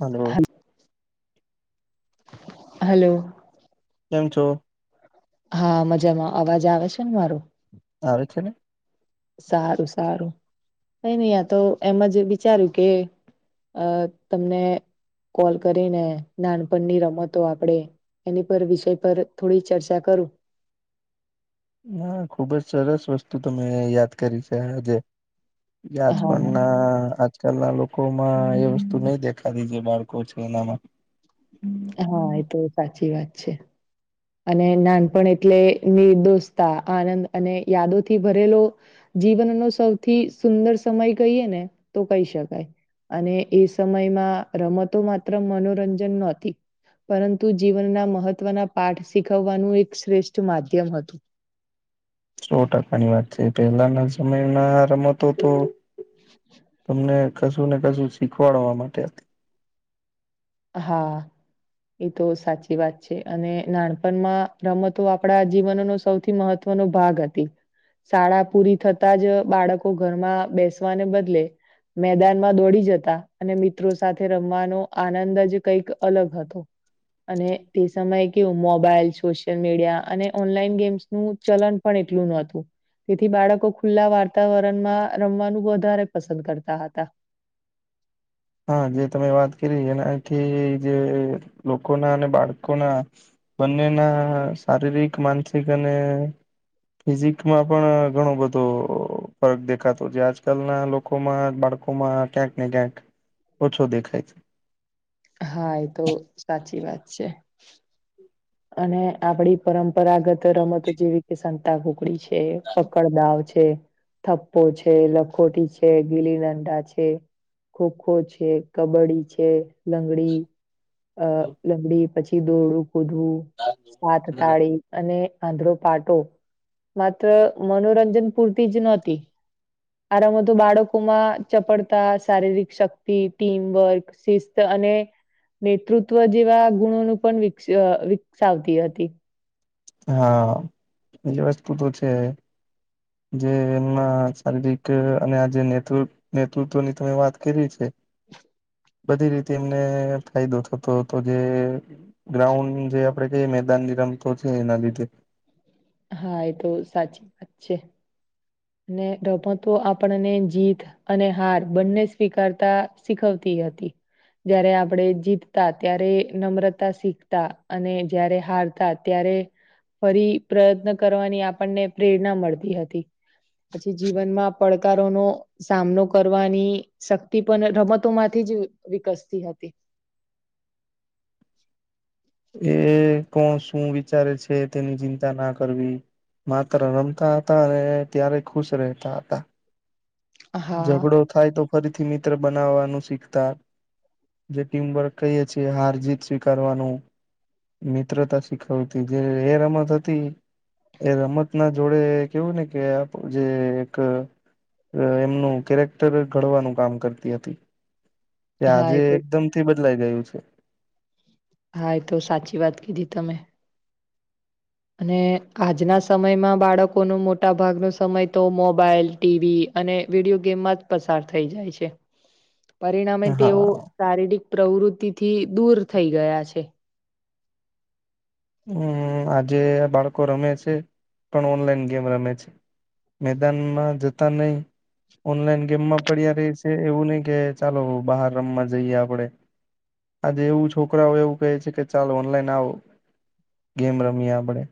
Hello hello કેમ છો હા મજામાં અવાજ આવે છે ને મારો આવે છે ને. સારું સારું કઈ નહં તો એમ જ વિચાર્યું કે અ તમને કોલ કરીને નાનપણની રમતો આપણેે એની પર વિષય પર થોડી ચર્ચા કરું ના ખુબ જ સરસ વસ્તુ તમે યાદ કરી છે આજે જ પણ હા ના આકાલના લોકોમાં એ વસ્તુ નહી દેખાતી જે બાળકો છે એનામાં હા એ તો સાચી વાત છે. અને નાનપણ એટલે નિર્દોષતા આનંદ અને યાદોથી ભરેલો જીવનનો સૌથી સુંદર સમય કહીએ ને તો કહી શકાય. અને એ સમયમાં રમતો માત્ર મનોરંજન નહતી. પરંતુ જીવનના મહત્વના પાઠ શીખવવાનું એક શ્રેષ્ઠ માધ્યમ હતું. સો ટકાની વાત છે પહેલાના સમયમાં રમતો તો, તમને કશું ને કશું શીખવાડવા માટે. હા. એ તો સાચી વાત છે અને નાનપણમાં રમતો આપણા જીવનનો સૌથી મહત્વ ન ભાગ હતી. શાળા પૂરી થતા જ બાળકો ઘરમાં બેસવાને બદલે. મેદાનમાં દોડી જતા અને મિત્રો સાથે રમવાનો આનંદ અંદાજે કઈક અલગ હતો. અને તે સમયે કેવું મોબાઈલ સોશિયલ મીડિયા અને ઓનલાઈન ગેમ્સ નું ચલન પણ એટલું નોતું. તેથી બાળકો ખુલ્લા વાર્તાવરણમાં રમવાનું વધારે પસંદ કરતા હતા. હા જે તમે વાત કરી એનાથી જે લોકોના અને બાળકોના. બંનેના શારીરિક માનસિક અને ફિઝિકમાં પણ ઘણો બધો ફરક દેખાતો છે આજકાલના મા બાડકુમા ક્યાંક નને ક્યાંક ઓછો દેખાય છે. હા એ તો સાચી વાત છે. અને આપડી પરંપરાગત રમતો છે. જેવી કે સાતા ઘોગડી છે. છે પકડદાવ છે. થપ્પો છે લખોટી છે ગીલી નંડા છે. ખોખો છે કબડ્ડી છે લંગડી. અ લમડી પછી દોડડું કૂદવું, સાત તાળી. અને આંધળો પાટો, માત્ર મનોરંજન પૂરતી જ નહતી. આરામ તો બાળકો માં ચપડતા શારીરિક શક્તિ ટીમવર્ક. શિસ્ત અને, નેતૃત્વ જેવા ગુણો ન પણિક સાવતી હતી. હા, બીજી વસ્તુ તો છે. જે એમના શારીરિક અને આજ ને નેતૃત્વની તમે વાત કરી છે. બધી રીતે એમને ફાયદો થતો હતો જે ગ્રાઉન્ડ જે આપડે કહીએ મેદાન ની રમતો છે એના લીધે. હા એ તો સાચી વાત છે. ને રમ તો આપણને જીત અને હાર બંને સ્વીકારતા શીખવતી હતી. જયારે આપણે જીતતા ત્યારે નમ્રતા શીખતા અને જયારે હાર હતા ત્યારે, ફરી પ્રયત્ન કરવાની આપણને પ્રેરણા મળતી હતી. પછી જીવનમાં પડકારોનો સામનો કરવાની શક્તિ પણ રમતો માંથી જ વિકસતી હતી. એ કોણ શું વિચારે છે તેની ચિંતા ના કરવી. માત્ર રમતા હતા અને ત્યારે ખુશ રહેતા હતા. હા ઝઘડો થાય તો ફરીથી મિત્ર બનાવવાનું શીખતા. જે ટીમ વર્ક કહીએ છી હાર જીત સ્વીકારવાનું. મિત્રતા શીખવતી જે એ રમત હતી. એ રમત ના જોડે કેવું ને કે જે એક અ એમનું કેરેક્ટર ઘડવાનું કામ કરતી હતી કે હા આજે એ તો એકદમ તે બદલાઈ ગયું છે. હા એ તો સાચી વાત કીધી તમે અને આજના સમયમાં બાળકો નુ મોટા ભાગ નુ સમય તો મોબાઈલ ટીવી અને વિડીયો ગેમમાં જ પસાર થઈ જાય છે. પરિણામે તેઓ હા શારીરિક પ્રવૃતિથી દૂર થઈ ગયા છે. હમ આજે આ બાળકો રમે છે પણ ઓનલાઈન ગેમ રમે છે. મેદાનમાં જતા નહી ઓનલાઈન ગેમમાં પડ્યા ર છે એવું નહી કે ચાલો બહાર રમવા જઈએ આપણે આજે એવું છોકરાઓ એવું કહે છે કે ચાલો ઓનલાઈન આવો ગેમ રમીએ આપડે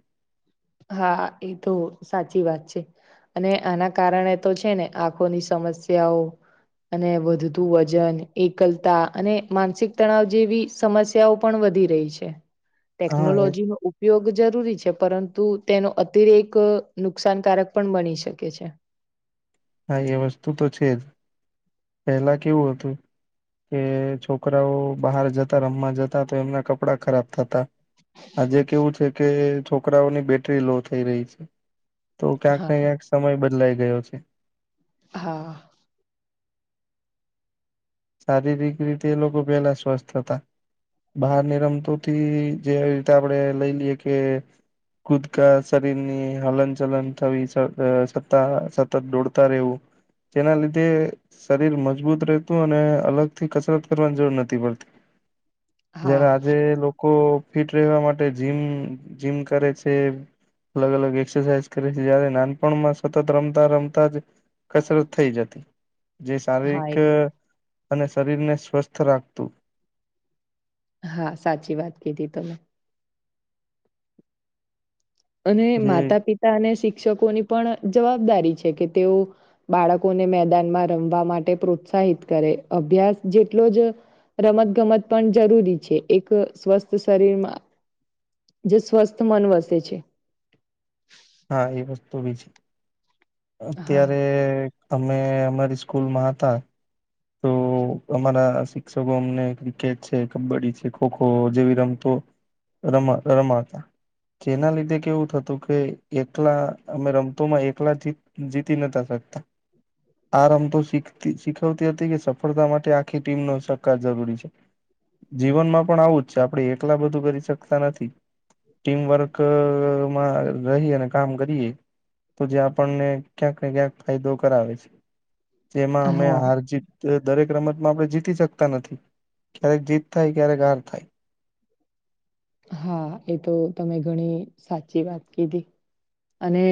હા એ તો સાચી વાત છે. અને આના કારણે તો છે ને આંખોની સમસ્યાઓ અને વધતું વજન એકલતા અને માનસિક તણાવ જેવી સમસ્યા તેવ પણ વધી રહી છે હા એ ટેકનોલોજીનો ઉપયોગ જરૂરી છે પરંતુ તું તેનો અતિરેક અ નુકસાનકારક પણ બની શકે છે. હા એ વસ્તુ તો છે જ પેલા કેવું હતું કે છોકરાઓ બહાર જતા રમવા જતા તો એમના કપડા ખરાબ થતા આજે કેવું છે કે છોકરાઓની બેટરી લો થઈ રહી છે. તો ક્યાંક હા ને ક્યાંક સમય બદલાઈ ગયો છે. હા. શારીરિક રીતે એ લોકો પેલા સ્વસ્થ હતા બહાર ની રમતોથી જેવી રીતે આપણે લઈ લઈએ કે કુદકા શરીર ની હલન ચલન થવી સતા અ સતત દોડતા રહેવું તેના લીધે શરીર મજબૂત રહે. તો અને અલગ થી કસરત કરવાની જરૂર નથી પડતી હા જય્યારે આજે લોકો ફિટ રહેવા માટે જીમ જીમ કરે છે. અલગ અલગ એક્સરસાઇઝ કરે છે જારે નાનપણમાં સતત રમતા રમતા જ કસરત થઈ જતી જે હા શારીરિક એ તો- અને શરીર ને સ્વસ્થ રાખતું. હા સાચી વાત કીધી તમે. અને જે માતા પિતા અને શિક્ષકોની પણ જવાબદારી છે કે તેઓ બાળકોને મેદાનમાં રમવા માટે પ્રોત્સાહિત કરે અભ્યાસ જેટલો જ રમત ગમત પણ જરૂરી છે એક સ્વસ્થ શરીરમાં જે સ્વસ્થ મન વસે છે. હા એ વસ્તુ બી છે. હા અત્યારે અમે અમારી સ્કૂલમાં હતા. તો અમારા શિક્ષકો અમને ક્રિકેટ છે કબડ્ડી છે ખોખો જેવી રમતો રમા રમાડતા જેના લીધે કેવું થતું કે એકલા અમે રમતોમાં એકલા થી જીતી નોતા શકતા આ રમતો શીખતી શીખ તે હતી કે સફળતા માટે આખી ટીમ નો સહકાર જરૂરી છે. જીવનમાં પણ આવું જ છે આપણેે એકલા બધું કરી શકતા નથી. ટીમ વર્ક માં રહી અને કામ કરીએ. તો જે આપણને ક્યાંકને ક્યાંક ફાયદો કરાવે છે જેમાં અમે હા હાર જીત દરેક રમતમાં આપણે જીતી શકતા નથી ક્યારેક જીત થાય ક્યારેક હાર થાય. હા એ તો તમે ઘણી સાચી વાત કીધી અને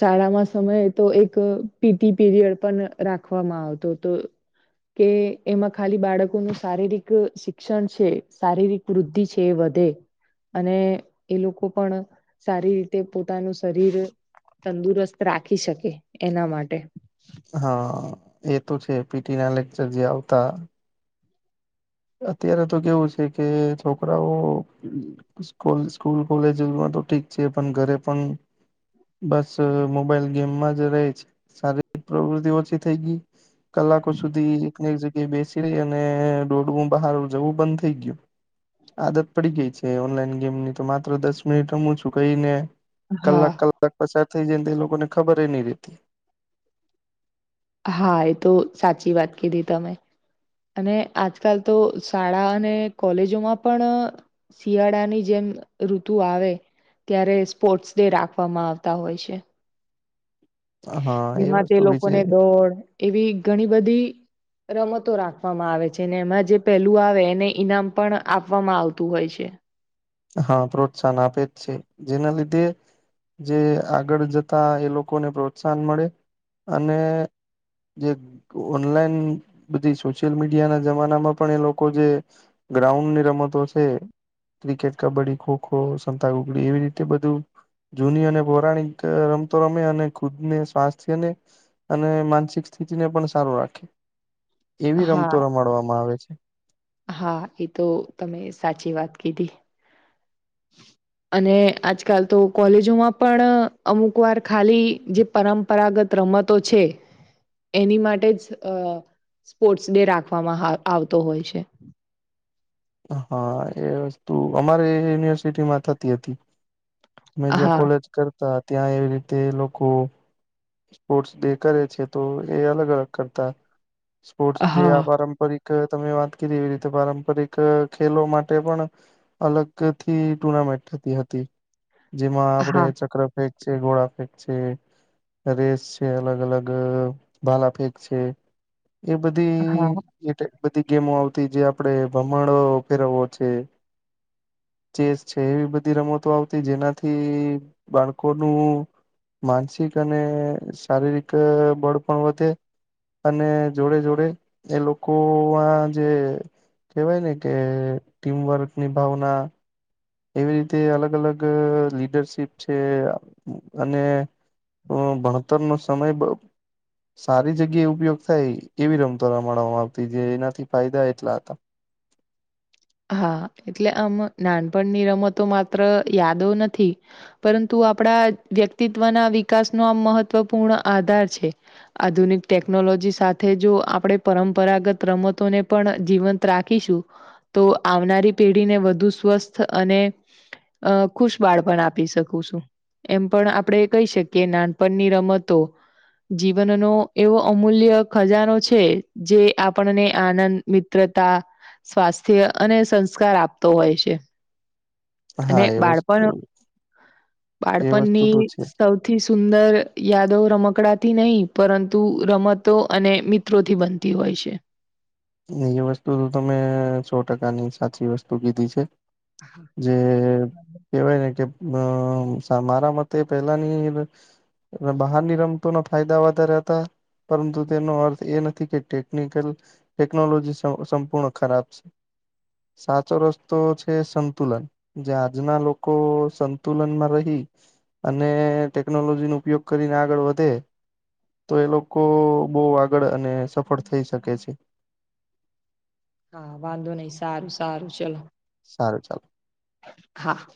શાળામાં સમયે તો એક પીટી પીરિયડ પણ રાખવામાં આવતો તો કે એમાં ખાલી બાળકોનું શારીરિક શિક્ષણ છે શારીરિક વૃદ્ધિ છે. કે વધે અને એ લોકો પણ સારી રીતે પોતાનું શરીર તંદુરસ્ત રાખી શકે એના માટે. હા એ તો છે પીટી ના લેક્ચર જે આવતા અત્યારે તો કેવું છે કે છોકરાઓ સ્કૂલ સ્કુલ કોલેજમાં તો ઠીક છે પણ ઘરે પણ બસ મોબાઈલ ગેમમાં જ રહે છે શારીરિક પ્રવૃતિ ઓછી થઈ ગઈ કલાકો સુધી એકને એક જગ્યાએ બેસી રહી અને રોડું બહાર જવું બંધ થઈ ગયું. આદત પડી ગઈ છે ઓનલાઈન ગેમની તો માત્ર દસ મિનિટ રમું છું કઈને હા કલાક કલાક પસાર થઈ જાય તે એ લોકો ને ખબરય નહી રહેતી. હા એ તો સાચી વાત કીધી તમે. અને આજકાલ તો શાળા અને કોલેજોમાં પણ શિયાળાની જેમ ઋતુ આવે ત્યારે સ્પોર્ટ્સ ડે રાખવામાં આવતા હોય છે. હા એ જેમાં તે વસ્તુ વિશે લોકોને દોડ એવી ઘણી બધી રમતો રાખવામાં આવે છે ને એમાં જે પહેલું આવે એને ઈનામ પણ આપવામાં આવતું હોય છે. હા પ્રોત્સાહન આપે જ છે જેના લીધે જે આગળ જતા એ લોકોને પ્રોત્સાહન મળે અને જે ઓનલાઈન બધી સોશિયલ મીડિયા ના જમાનામાં પણ એ લોકો જે ગ્રાઉન્ડની રમતો છે ક્રિકેટ કબડ્ડી ખોખો સંતાકુકડી એવી રીતે બધું જૂની અને પૌરાણિક રમતો રમે અને ખુદને સ્વાસ્થ્યને અને માનસિક સ્થિતિને પણ સારું રાખે એવી રમતો હા રમાડવામાં આવે છે. હા એ તો તમે સાચી વાત કીધી. અને આજકાલ તો કોલેજોમાં પણ અમુક વાર ખાલી જે પરંપરાગત રમતો છે એની માટે જ અ સ્પોર્ટ્સ ડે રાખવામાં આવતો હોય છે. હા એ વસ્તુ અમારે યુનિવર્સિટીમાં થતી હતી. મે જ્યાં હા કોલેજ કરતા ત્યાં એવી રીતે લોકો સ્પોર્ટ્સ ડે કરે છે તો એ અલગ અલગ કરતા સ્પોર્ટસ જે હા આ પારંપરિક તમે વાત કરી એવી રીતે પારંપરિક ખેલો માટે પણ અલગ થી ટુર્નામેન્ટ થતી હતી. જેમાં આપડે હા ચક્ર ફેંક છે ગોળા ફેંક છે રેસ છે અલગ અલગ ભાલા ફેક છે એ હા બધી એ બધી ગેમો આવતી જે આપડે ભમણો ફેરવો છે ચેસ છે એવી બધી રમતો આવતી જેનાથી બાળકોનું માનસિક અને શારીરિક બળ પણ વધે અને જોડે જોડે એ લોકો આ જે કેવાય ને કે ટીમવર્ક ની ભાવના એવી રીતે અલગ અલગ લીડરશીપ છે અને ભણતર નો સમય બ સારી જગ્યાએ ઉપયોગ થાય એવી રમતો રમાડવામાં આવતી જે એનાથી ફાયદા એટલા હતા. હા એટલે આમ નાનપણની રમતો માત્ર યાદો નથી પરંતુ આપણા વ્યક્તિત્વના વિકાસનો આમ મહત્વપૂર્ણ આધાર છે. આધુનિક ટેકનોલોજી સાથે જો આપણે પરંપરાગત રમતોને પણ જીવંત રાખીશું. તો આવનારી પેઢીને વધુ સ્વસ્થ અને અ ખુશ બાળપણ આપી શકું સુ. એમ પણ આપણે કહી શકીએ નાનપણની રમતો જીવનનો એવો અમૂલ્ય ખજાનો છે જે આપણને આનંદ મિત્રતા સ્વાસ્થ્ય અને સંસ્કાર આપતો હોય છે. અને હા એ વસ્તુ બાળપણ એ વસ્તુ બાળપણની તો છે સૌ થી સુંદર યાદો રમકડાથી નહી પરંતુ રમતો અને મીત્રોથી બનતી હોય છે. એ વસ્તુ તો તમે સો ટકાની સાચી વસ્તુ કીધી છે. જે કેવાય ને કે અ મારા મતે પેલા ની બહારની રમતો ના ફાયદા વધારે હતા. પરંતુ તેનો અર્થ એ નથી કે ટેકનિકલ ટેકનોલોજી સંપૂર્ણ ખરાબ છે સાચો રસ્તો છે સંતુલન. જે આજના લોકો સંતુલનમાં રહી અને ટેકનોલોજી નો ઉપયોગ કરીને આગળ વધે. તો એ લોકો બહુ આગળ અને સફળ થઈ શકે છે. હા વાંધો નહી સારું સારું ચલો સારું ચાલો હા